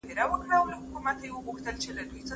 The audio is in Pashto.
که خوب ونه کړې ذهن ستړی پاتې کېږي.